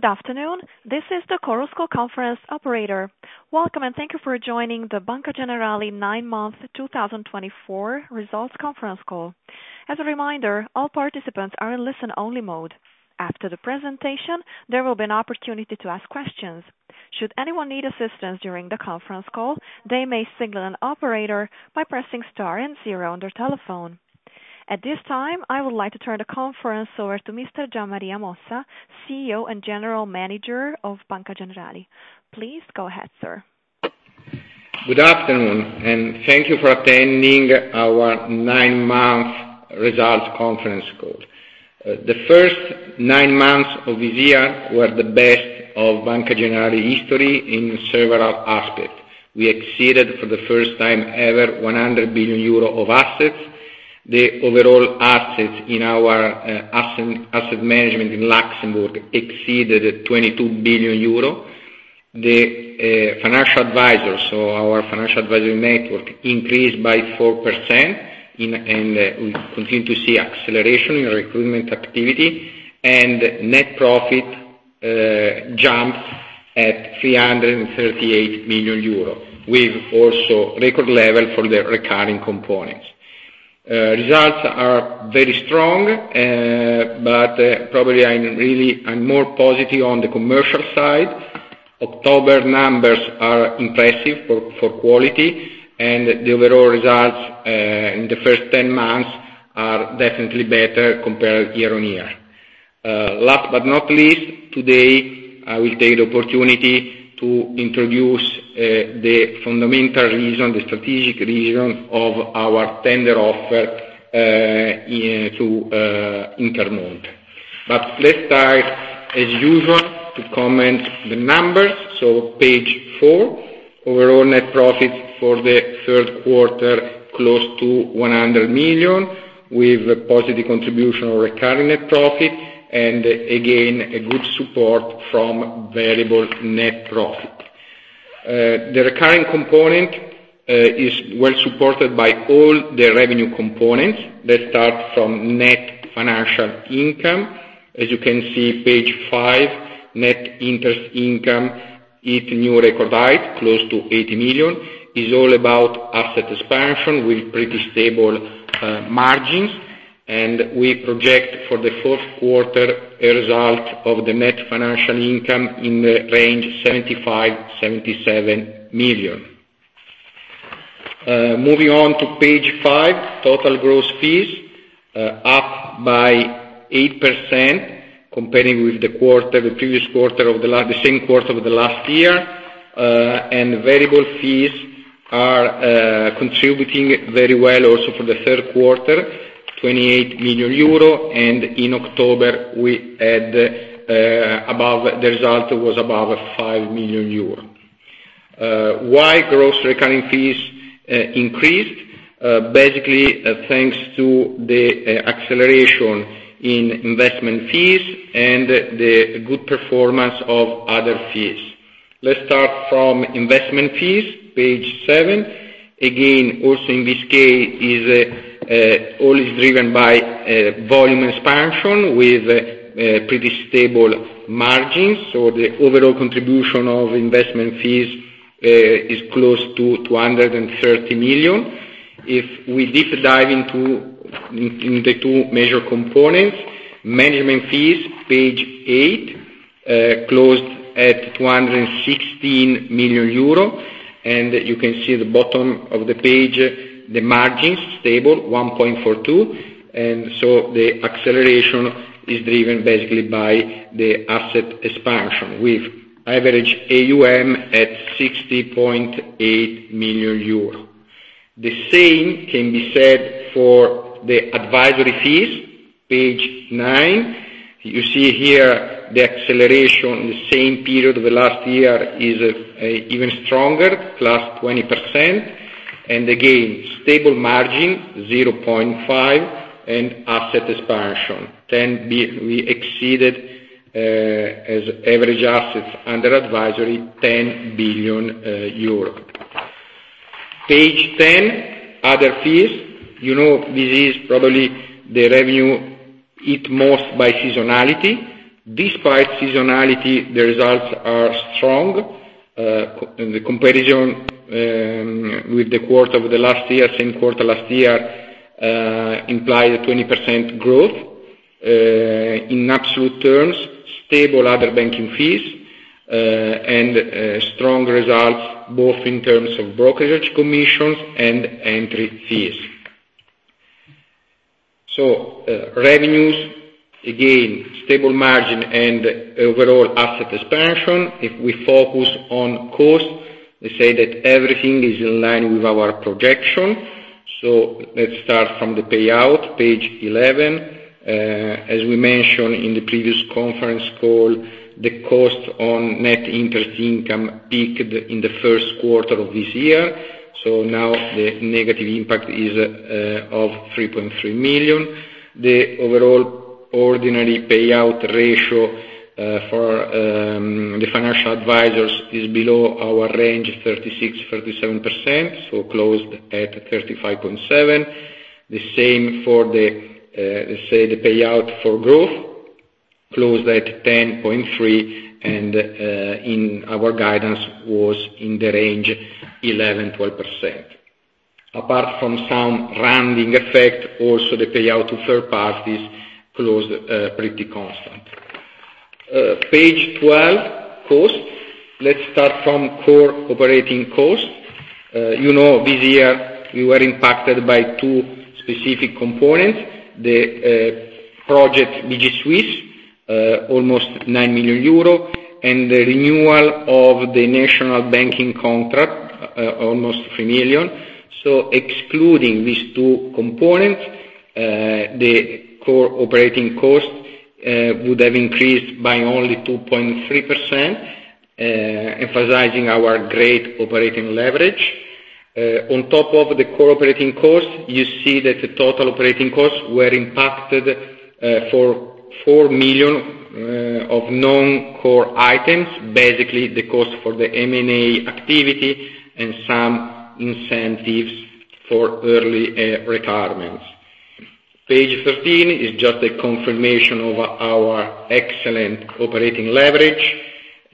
Good afternoon. This is the Chorus Call conference operator. Welcome, and thank you for joining the Banca Generali nine-month 2024 results conference call. As a reminder, all participants are in listen-only mode. After the presentation, there will be an opportunity to ask questions. Should anyone need assistance during the conference call, they may signal an operator by pressing star and zero on their telephone. At this time, I would like to turn the conference over to Mr. Gian Maria Mossa, CEO and General Manager of Banca Generali. Please go ahead, sir. Good afternoon, and thank you for attending our nine-month results conference call. The first nine months of this year were the best of Banca Generali's history in several aspects. We exceeded, for the first time ever, 100 billion euro of assets. The overall assets in our asset management in Luxembourg exceeded 22 billion euro. The financial advisors, so our financial advisory network, increased by 4%, and we continue to see acceleration in recruitment activity, and net profit jumped at 338 million euro. We've also record levels for the recurring components. Results are very strong, but probably I'm really more positive on the commercial side. October numbers are impressive for quality, and the overall results in the first 10 months are definitely better compared year on year. Last but not least, today I will take the opportunity to introduce the fundamental reason, the strategic reason of our tender offer to Intermonte. But let's start, as usual, to comment on the numbers. So, page four, overall net profit for the third quarter close to €100 million. We've positive contribution of recurring net profit and, again, a good support from variable net profit. The recurring component is well supported by all the revenue components that start from net financial income. As you can see, page five, net interest income hit new record highs, close to €80 million. It's all about asset expansion with pretty stable margins, and we project for the fourth quarter a result of the net financial income in the range €75-€77 million. Moving on to page five, total gross fees up by 8% compared with the previous quarter of the same quarter of the last year, and variable fees are contributing very well also for the third quarter, 28 million euro, and in October we had above the result was above 5 million euros. Why gross recurring fees increased? Basically, thanks to the acceleration in investment fees and the good performance of other fees. Let's start from investment fees, page seven. Again, also in this case, all is driven by volume expansion with pretty stable margins, so the overall contribution of investment fees is close to 230 million. If we deep dive into the two major components, management fees, page eight, closed at €216 million, and you can see at the bottom of the page, the margins stable, 1.42, and so the acceleration is driven basically by the asset expansion with average AUM at €60.8 million. The same can be said for the advisory fees, page nine. You see here the acceleration in the same period of the last year is even stronger, plus 20%, and again, stable margin, 0.5, and asset expansion, we exceeded as average assets under advisory €10 billion. Page ten, other fees. You know, this is probably the revenue hit most by seasonality. Despite seasonality, the results are strong. The comparison with the quarter of the last year, same quarter last year, implied a 20% growth. In absolute terms, stable other banking fees and strong results, both in terms of brokerage commissions and entry fees. So, revenues, again, stable margin and overall asset expansion. If we focus on cost, we say that everything is in line with our projection. So, let's start from the payout, page 11. As we mentioned in the previous conference call, the cost on net interest income peaked in the first quarter of this year, so now the negative impact is of 3.3 million. The overall ordinary payout ratio for the financial advisors is below our range, 36%-37%, so closed at 35.7%. The same for the, let's say, the payout for growth, closed at 10.3%, and in our guidance was in the range 11%-12%. Apart from some rounding effect, also the payout to third parties closed pretty constant. Page 12, cost. Let's start from core operating cost. You know, this year we were impacted by two specific components: the project BG Suisse, almost 9 million euro, and the renewal of the national banking contract, almost 3 million. So, excluding these two components, the core operating cost would have increased by only 2.3%, emphasizing our great operating leverage. On top of the core operating cost, you see that the total operating costs were impacted for 4 million of non-core items, basically the cost for the M&A activity and some incentives for early retirements. Page 13 is just a confirmation of our excellent operating leverage,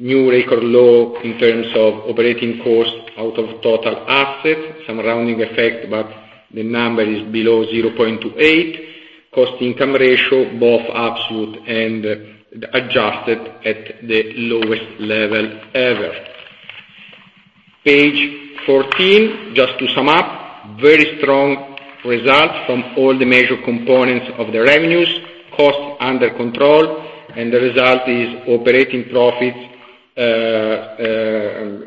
new record low in terms of operating cost out of total assets, some rounding effect, but the number is below 0.28. Cost-to-income ratio, both absolute and adjusted, at the lowest level ever. Page 14. Just to sum up, very strong result from all the major components of the revenues, costs under control, and the result is operating profits,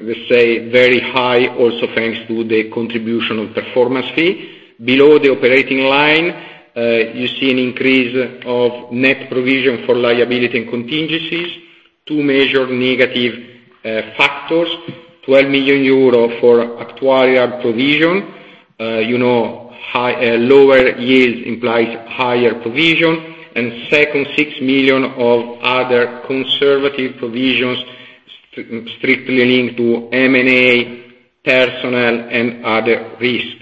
let's say, very high also thanks to the contribution of performance fee. Below the operating line, you see an increase of net provision for liabilities and contingencies. These are negative factors, 12 million euro for actuarial provision. You know, lower yield implies higher provision, and second, 6 million of other conservative provisions strictly linked to M&A, personnel, and other risk.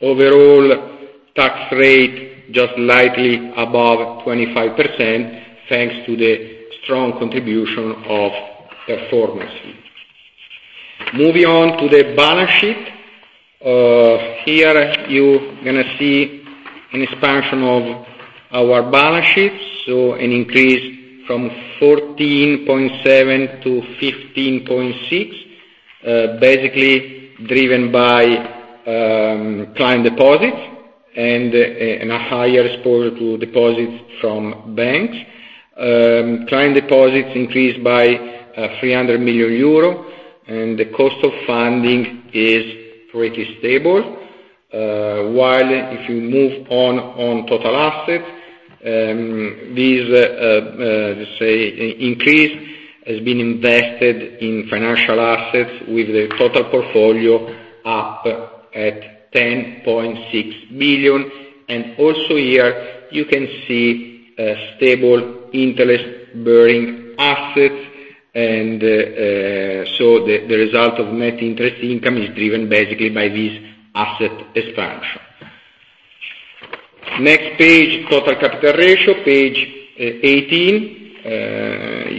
Overall tax rate just slightly above 25% thanks to the strong contribution of performance fee. Moving on to the balance sheet. Here you're going to see an expansion of our balance sheet, so an increase from 14.7-15.6, basically driven by client deposits and a higher exposure to deposits from banks. Client deposits increased by €300 million, and the cost of funding is pretty stable. While if you move on total assets, these, let's say, increase has been invested in financial assets with the total portfolio up at €10.6 billion. And also here, you can see stable interest-bearing assets, and so the result of net interest income is driven basically by this asset expansion. Next page, total capital ratio, page 18.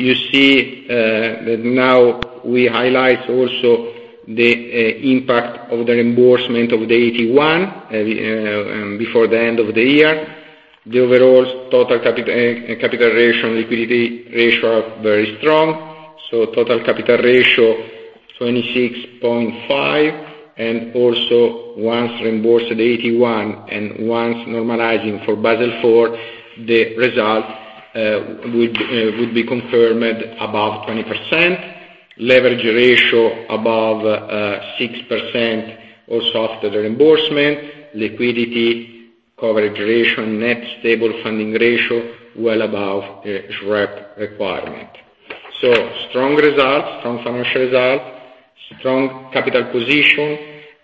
You see that now we highlight also the impact of the reimbursement of the AT1 before the end of the year. The overall total capital ratio and liquidity ratio are very strong, so total capital ratio 26.5, and also once reimbursed the AT1 and once normalizing for Basel IV, the result would be confirmed above 20%. Leverage ratio above 6% also after the reimbursement, liquidity coverage ratio, net stable funding ratio well above reg requirement. Strong results, strong financial results, strong capital position,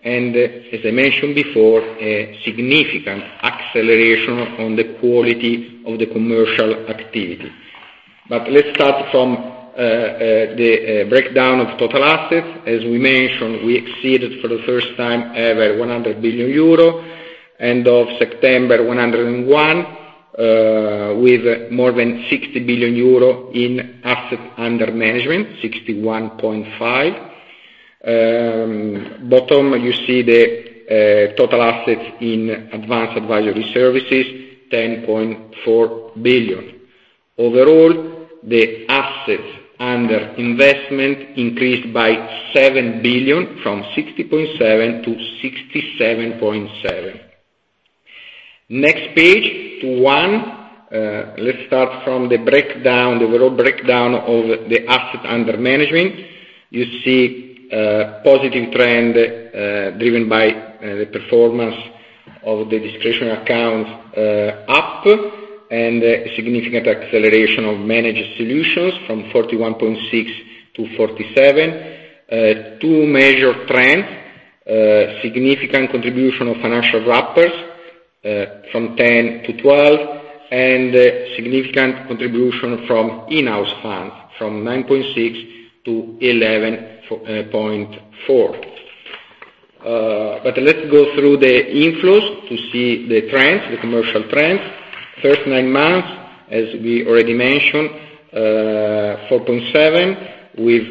and as I mentioned before, a significant acceleration on the quality of the commercial activity. But let's start from the breakdown of total assets. As we mentioned, we exceeded for the first time ever €100 billion at end of September, €101 billion with more than €60 billion in assets under management, €61.5 billion. At the bottom, you see the total assets in Advanced Advisory Services, €10.4 billion. Overall, the Assets Under Investment increased by €7 billion from €60.7 billion-€67.7 billion. Next page, to one, let's start from the breakdown, the overall breakdown of the assets under management. You see positive trend driven by the performance of the discretionary accounts up and significant acceleration of managed solutions from 41.6-47. Two major trends, significant contribution of financial wrappers from 10-12, and significant contribution from in-house funds from 9.6-11.4. But let's go through the inflows to see the trends, the commercial trends. First nine months, as we already mentioned, 4.7 with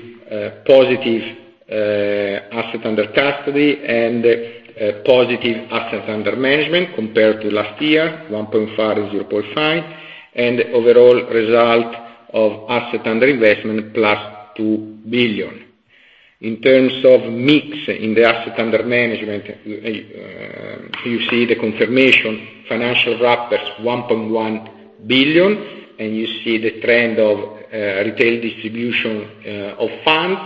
positive asset under custody and positive asset under management compared to last year, 1.5-0.5, and overall result of asset under investment plus €2 billion. In terms of mix in the asset under management, you see the confirmation financial wrappers, 1.1 billion, and you see the trend of retail distribution of funds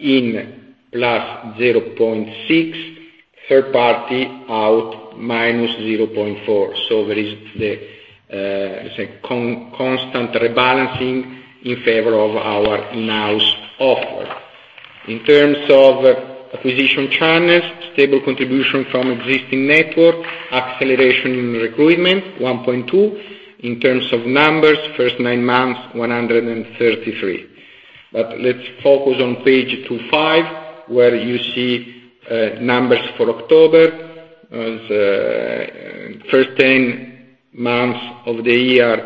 in plus 0.6, third party out minus 0.4. So there is the, let's say, constant rebalancing in favor of our in-house offer. In terms of acquisition channels, stable contribution from existing network, acceleration in recruitment, 1.2. In terms of numbers, first nine months, 133. But let's focus on page 25, where you see numbers for October. First ten months of the year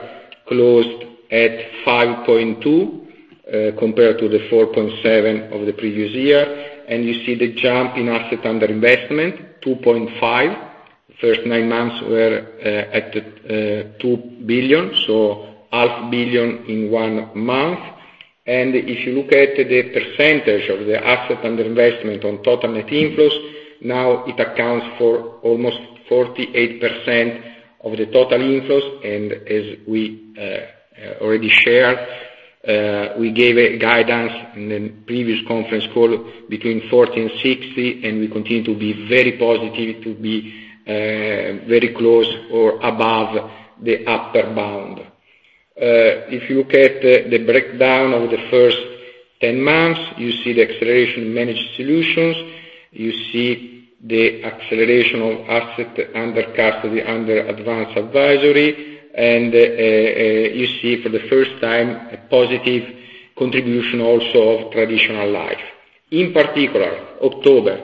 closed at 5.2 compared to the 4.7 of the previous year, and you see the jump in assets under investment, €2.5 billion. First nine months were at €2 billion, so €500 million in one month. If you look at the percentage of the assets under investment on total net inflows, now it accounts for almost 48% of the total inflows. As we already shared, we gave a guidance in the previous conference call between 40%-60%, and we continue to be very positive to be very close or above the upper bound. If you look at the breakdown of the first ten months, you see the acceleration in managed solutions. You see the acceleration of assets under custody under advanced advisory, and you see for the first time a positive contribution also of traditional life. In particular, October,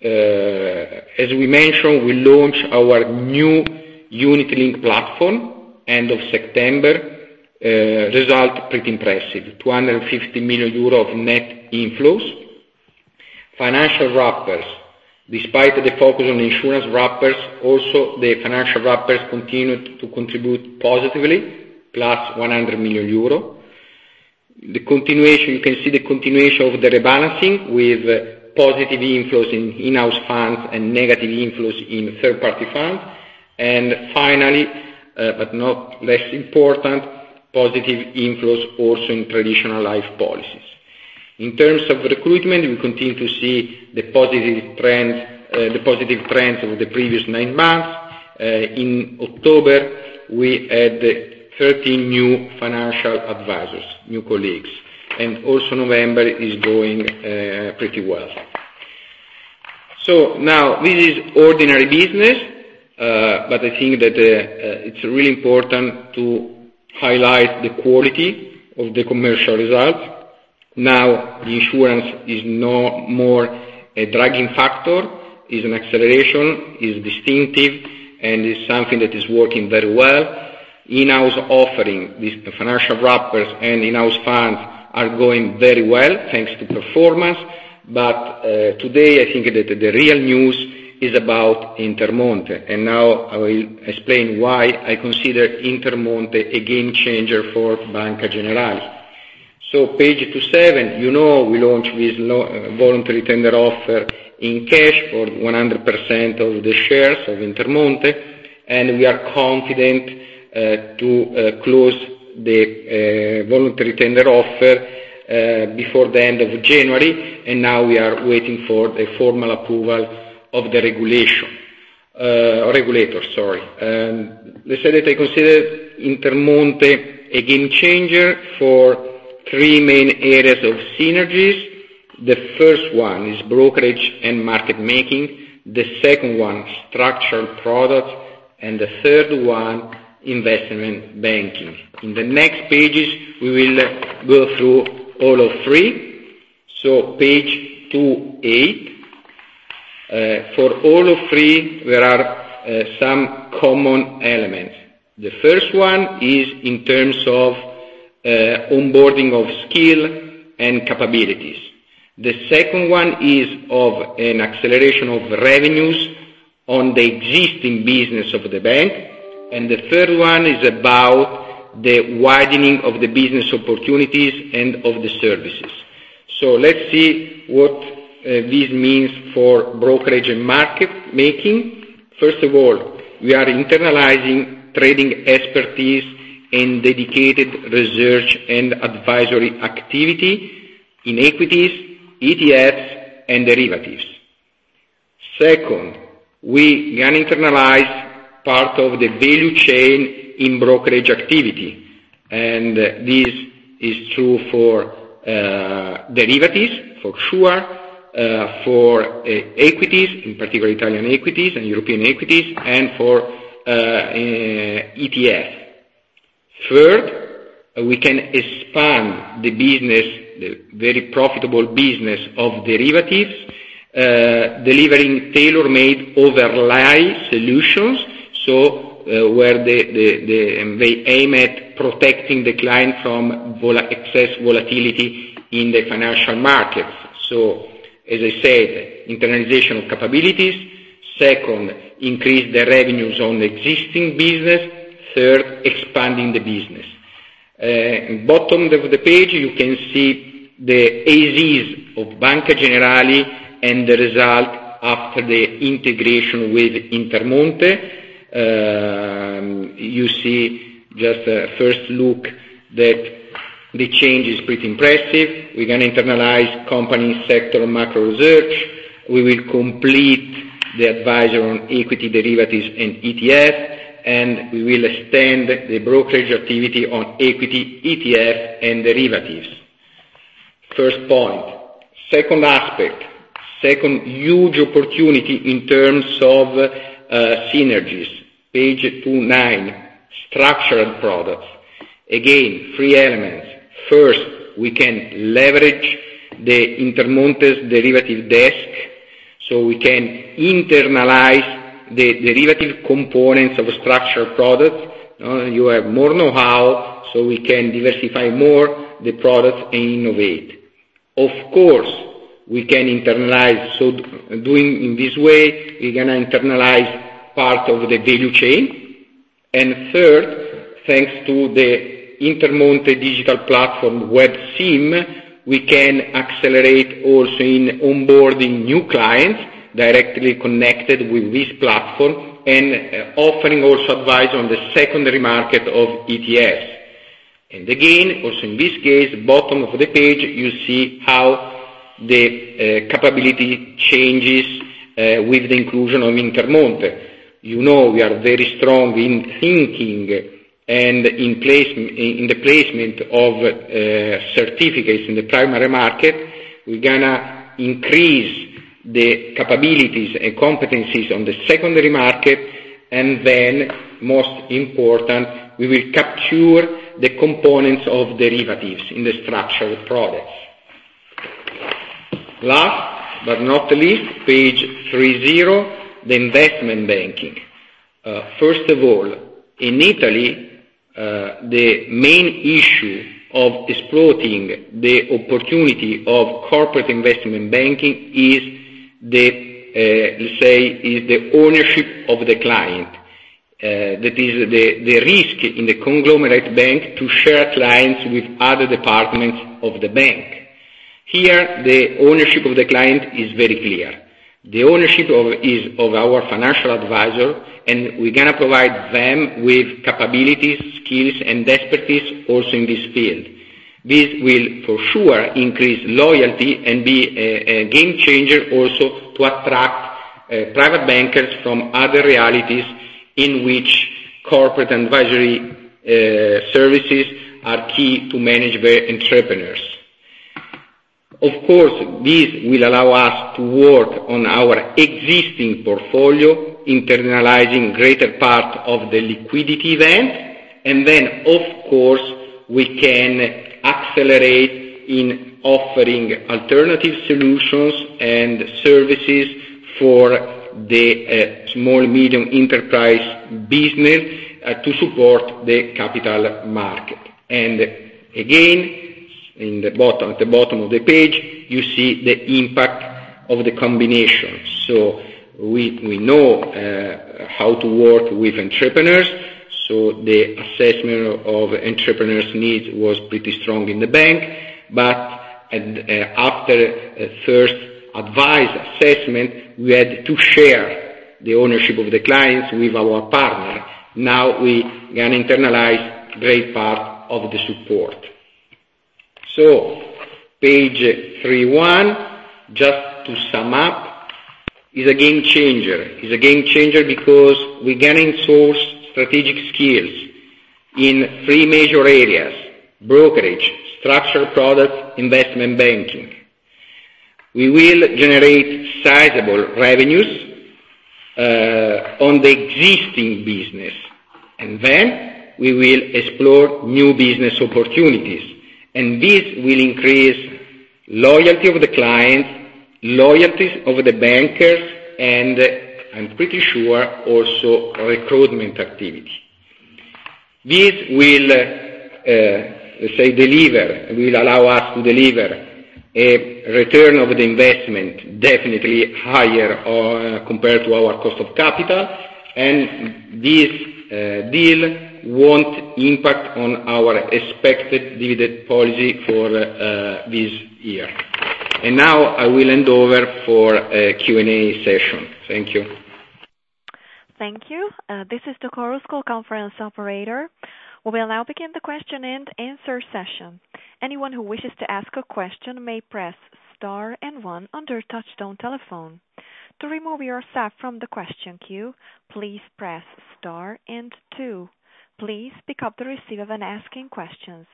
as we mentioned, we launched our new unit-linked platform end of September. Result pretty impressive, €250 million of net inflows. Financial wrappers, despite the focus on insurance wrappers, also the financial wrappers continued to contribute positively, plus €100 million. The continuation, you can see the continuation of the rebalancing with positive inflows in-house funds and negative inflows in third-party funds, and finally, but not less important, positive inflows also in traditional life policies. In terms of recruitment, we continue to see the positive trends over the previous nine months. In October, we had 13 new financial advisors, new colleagues, and also November is going pretty well. So now this is ordinary business, but I think that it's really important to highlight the quality of the commercial results. Now the insurance is no more a dragging factor, is an acceleration, is distinctive, and is something that is working very well. In-house offering, these financial wrappers and in-house funds are going very well thanks to performance. But today I think that the real news is about Intermonte, and now I will explain why I consider Intermonte a game changer for Banca Generali. So page 27, you know we launched this voluntary tender offer in cash for 100% of the shares of Intermonte, and we are confident to close the voluntary tender offer before the end of January, and now we are waiting for the formal approval of the regulator. Let's say that I consider Intermonte a game changer for three main areas of synergies. The first one is brokerage and market making, the second one structural products, and the third one investment banking. In the next pages, we will go through all of three. So page 28, for all of three there are some common elements. The first one is in terms of onboarding of skills and capabilities. The second one is of an acceleration of revenues on the existing business of the bank, and the third one is about the widening of the business opportunities and of the services. So let's see what this means for brokerage and market making. First of all, we are internalizing trading expertise and dedicated research and advisory activity in equities, ETFs, and derivatives. Second, we can internalize part of the value chain in brokerage activity, and this is true for derivatives, for sure, for equities, in particular Italian equities and European equities, and for ETFs. Third, we can expand the business, the very profitable business of derivatives, delivering tailor-made overlay solutions, so where they aim at protecting the client from excess volatility in the financial markets. So as I said, internalization of capabilities. Second, increase the revenues on the existing business. Third, expanding the business. Bottom of the page, you can see the AUMs of Banca Generali and the result after the integration with Intermonte. You see just a first look that the change is pretty impressive. We're going to internalize company sector macro research. We will complete the advisory on equity derivatives and ETF, and we will extend the brokerage activity on equity ETF and derivatives. First point. Second aspect, second huge opportunity in terms of synergies. Page 29, structured products. Again, three elements. First, we can leverage the Intermonte's derivative desk, so we can internalize the derivative components of structured products. You have more know-how, so we can diversify more the products and innovate. Of course, we can internalize, so doing in this way, we're going to internalize part of the value chain. And third, thanks to the Intermonte digital platform WebSim, we can accelerate also in onboarding new clients directly connected with this platform and offering also advice on the secondary market of ETFs. And again, also in this case, bottom of the page, you see how the capability changes with the inclusion of Intermonte. You know we are very strong in structuring and in the placement of certificates in the primary market. We're going to increase the capabilities and competencies on the secondary market, and then most important, we will capture the components of derivatives in the structured products. Last but not least, page 30, the investment banking. First of all, in Italy, the main issue of exploiting the opportunity of corporate investment banking is the, let's say, ownership of the client. That is the risk in the conglomerate bank to share clients with other departments of the bank. Here, the ownership of the client is very clear. The ownership is of our financial advisor, and we're going to provide them with capabilities, skills, and expertise also in this field. This will for sure increase loyalty and be a game changer also to attract private bankers from other realities in which corporate advisory services are key to manage their entrepreneurs. Of course, this will allow us to work on our existing portfolio, internalizing greater part of the liquidity event, and then of course we can accelerate in offering alternative solutions and services for the small-medium enterprise business to support the capital market. And again, at the bottom of the page, you see the impact of the combination. So we know how to work with entrepreneurs, so the assessment of entrepreneurs' needs was pretty strong in the bank, but after a first advisor assessment, we had to share the ownership of the clients with our partner. Now we're going to internalize great part of the support. So page 31, just to sum up, is a game changer. It's a game changer because we're going to enforce strategic skills in three major areas: brokerage, structured products, investment banking. We will generate sizable revenues on the existing business, and then we will explore new business opportunities, and this will increase loyalty of the clients, loyalties of the bankers, and I'm pretty sure also recruitment activity. This will, let's say, deliver, will allow us to deliver a return of the investment definitely higher compared to our cost of capital, and this deal won't impact on our expected dividend policy for this year. And now I will hand over for a Q&A session. Thank you. Thank you. This is the Chorus Call conference operator. We will now begin the question and answer session. Anyone who wishes to ask a question may press star and one on your touchtone telephone. To remove yourself from the question queue, please press star and two. Please pick up the receiver when asking questions.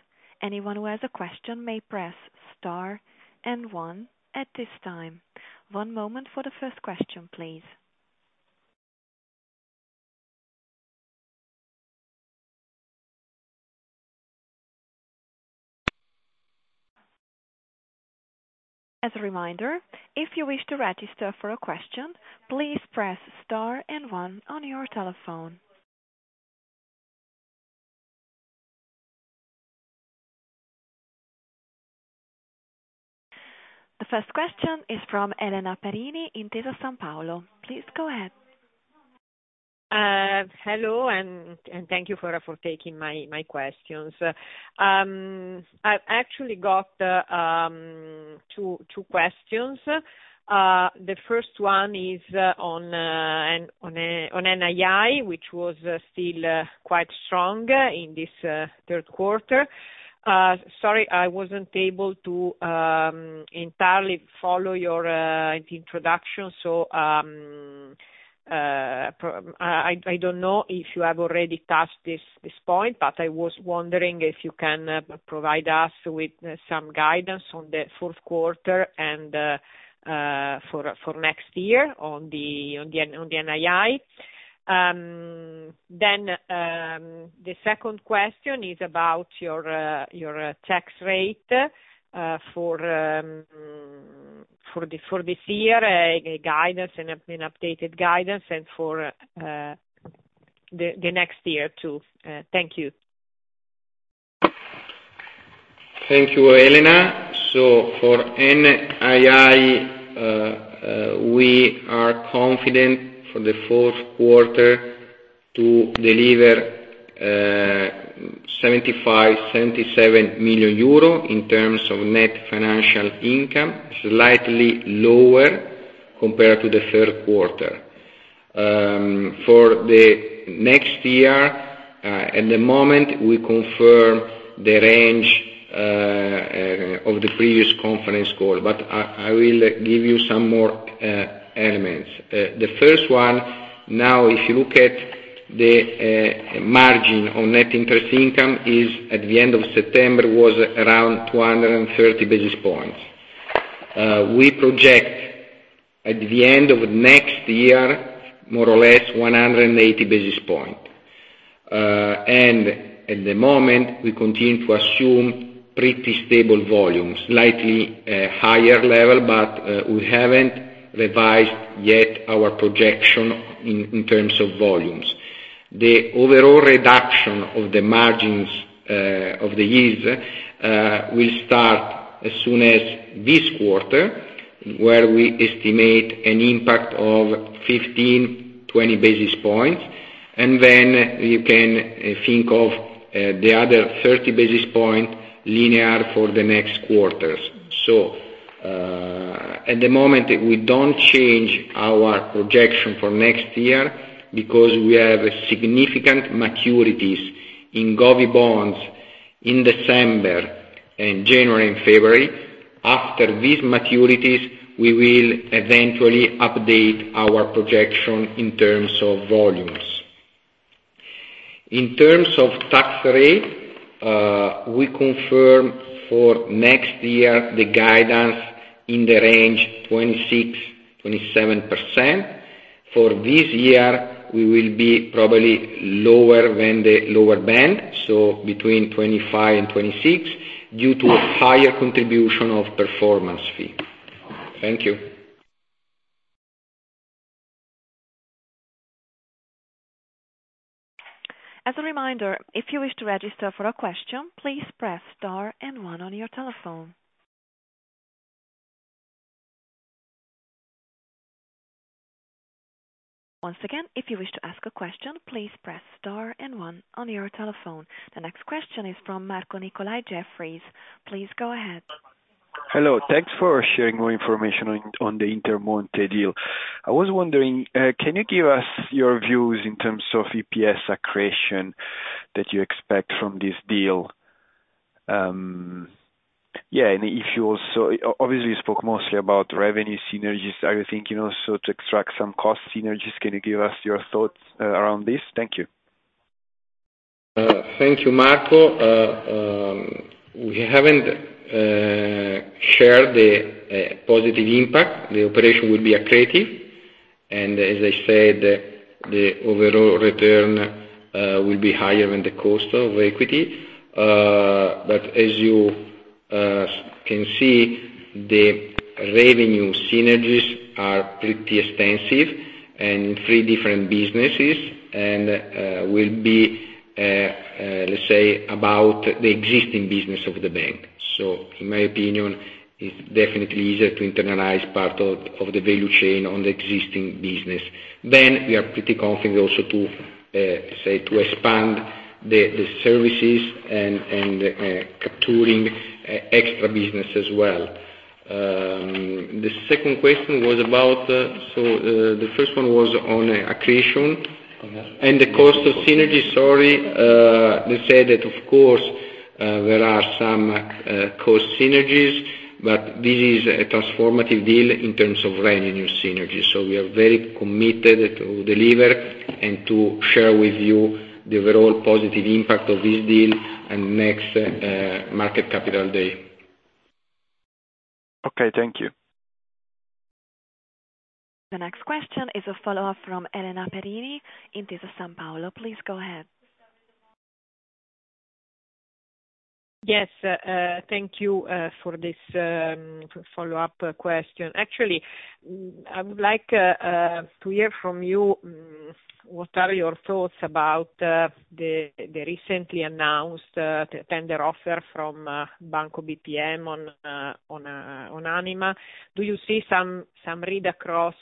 Anyone who has a question may press star and one at this time. One moment for the first question, please. As a reminder, if you wish to register for a question, please press star and one on your telephone. The first question is from Elena Perini in Intesa Sanpaolo. Please go ahead. Hello, and thank you for taking my questions. I actually got two questions. The first one is on NII, which was still quite strong in this third quarter. Sorry, I wasn't able to entirely follow your introduction, so I don't know if you have already touched this point, but I was wondering if you can provide us with some guidance on the fourth quarter and for next year on the NII. Then the second question is about your tax rate for this year, a guidance and an updated guidance, and for the next year too. Thank you. Thank you, Elena. So for NII, we are confident for the fourth quarter to deliver 75-77 million euro in terms of net financial income, slightly lower compared to the third quarter. For the next year, at the moment, we confirm the range of the previous conference call, but I will give you some more elements. The first one, now if you look at the margin on net interest income is at the end of September was around 230 basis points. We project at the end of next year more or less 180 basis points. And at the moment, we continue to assume pretty stable volumes, slightly higher level, but we haven't revised yet our projection in terms of volumes. The overall reduction of the margins of the years will start as soon as this quarter, where we estimate an impact of 15-20 basis points, and then you can think of the other 30 basis points linear for the next quarters, so at the moment, we don't change our projection for next year because we have significant maturities in Govvie bonds in December and January and February. After these maturities, we will eventually update our projection in terms of volumes. In terms of tax rate, we confirm for next year the guidance in the range 26%-27%. For this year, we will be probably lower than the lower band, so between 25% and 26% due to higher contribution of performance fee. Thank you. As a reminder, if you wish to register for a question, please press star and one on your telephone. Once again, if you wish to ask a question, please press star and one on your telephone. The next question is from Marco Nicolai, Jefferies. Please go ahead. Hello. Thanks for sharing more information on the Intermonte deal. I was wondering, can you give us your views in terms of EPS accretion that you expect from this deal? Yeah, and if you also obviously spoke mostly about revenue synergies, are you thinking also to extract some cost synergies? Can you give us your thoughts around this? Thank you. Thank you, Marco. We haven't shared the positive impact. The operation will be accretive, and as I said, the overall return will be higher than the cost of equity, but as you can see, the revenue synergies are pretty extensive and in three different businesses and will be, let's say, about the existing business of the bank, so in my opinion, it's definitely easier to internalize part of the value chain on the existing business, then we are pretty confident also to, say, to expand the services and capturing extra business as well. The second question was about, so the first one was on accretion and the cost of synergy. Sorry, they said that of course there are some cost synergies, but this is a transformative deal in terms of revenue synergy. We are very committed to deliver and to share with you the overall positive impact of this deal and next Markets Capital Day. Okay, thank you. The next question is a follow-up from Elena Perini in Intesa Sanpaolo. Please go ahead. Yes, thank you for this follow-up question. Actually, I would like to hear from you what are your thoughts about the recently announced tender offer from Banco BPM on Anima. Do you see some read across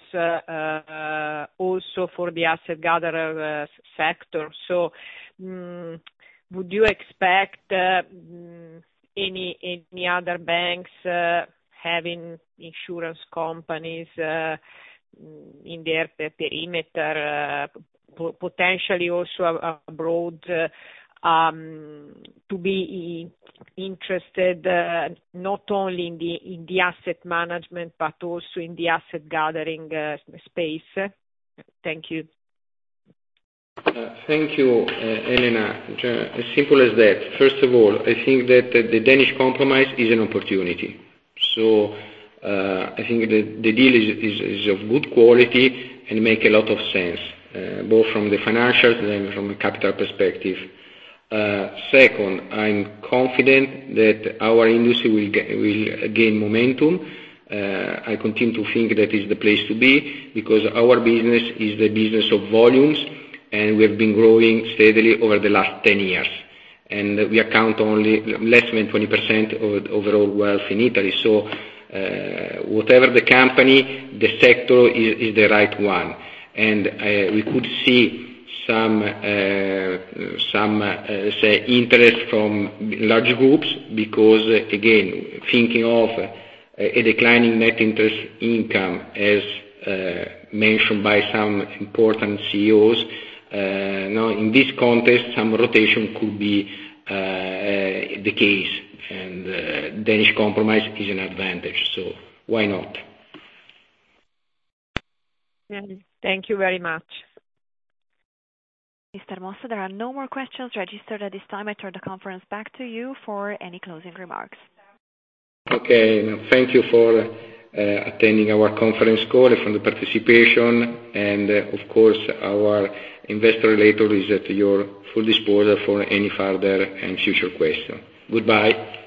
also for the asset gatherer sector? So would you expect any other banks having insurance companies in their perimeter, potentially also abroad, to be interested not only in the asset management but also in the asset gathering space? Thank you. Thank you, Elena. As simple as that. First of all, I think that the Danish Compromise is an opportunity. So I think the deal is of good quality and makes a lot of sense, both from the financials and from a capital perspective. Second, I'm confident that our industry will gain momentum. I continue to think that is the place to be because our business is the business of volumes, and we have been growing steadily over the last 10 years. And we account only less than 20% of the overall wealth in Italy. So whatever the company, the sector is the right one. And we could see some, let's say, interest from large groups because, again, thinking of a declining net interest income as mentioned by some important CEOs, now in this context, some rotation could be the case. And Danish Compromise is an advantage. So why not? Thank you very much. Mr. Mossa, there are no more questions registered at this time. I turn the conference back to you for any closing remarks. Okay. Thank you for attending our conference call and for the participation. And of course, our investor relations is at your full disposal for any further and future questions. Goodbye.